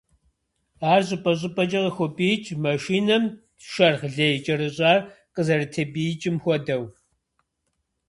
Ар щӏыпӏэ-щӏыпӏэкӏэ «къыхопӏиикӏ», машинэм шэрхъ лей кӏэрыщӏар къызэрытепӏиикӏым хуэдэу.